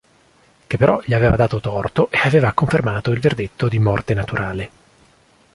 Che però gli aveva dato torto e aveva confermato il verdetto di morte naturale.